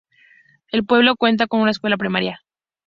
El pueblo cuenta con una escuela primaria.